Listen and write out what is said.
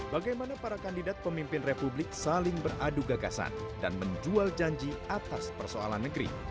bagaimana para kandidat pemimpin republik saling beradu gagasan dan menjual janji atas persoalan negeri